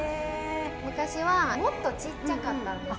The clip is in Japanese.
昔はもっとちっちゃかったんですけど。